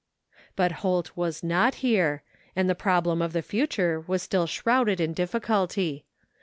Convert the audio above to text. But Holt was not here, and the problem of the future was still shrouded in difficulty.